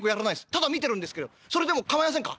ただ見てるんですけどそれでも構いませんか？」。